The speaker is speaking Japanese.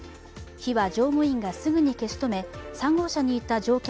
火は乗務員がすぐに消し止め３号車にいた乗客